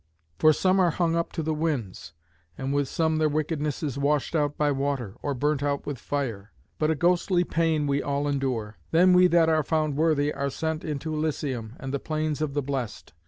For some are hung up to the winds, and with some their wickedness is washed out by water, or burnt out with fire. But a ghostly pain we all endure. Then we that are found worthy are sent unto Elysium and the plains of the blest.